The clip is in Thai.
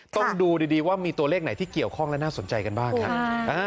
ต้องดูดีว่ามีตัวเลขไหนที่เกี่ยวข้องและน่าสนใจกันบ้างครับ